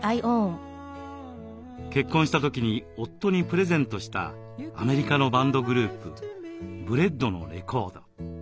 結婚した時に夫にプレゼントしたアメリカのバンドグループＢｒｅａｄのレコード。